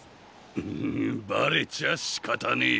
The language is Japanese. ヌググバレちゃしかたねえ。